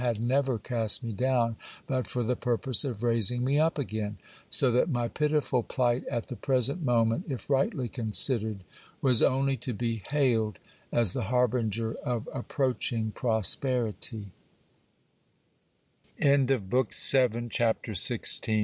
d never cast me down, but for the purpose of raising me up again ; so that my pitiful plight at the present moment, if rightly considered, was only to be hiiled as the harbinger of approaching prosperity. ' 276 GIL BLAS. BOOK THE EIGHTH. Ch.